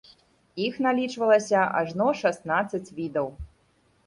Іх налічвалася ажно шаснаццаць відаў.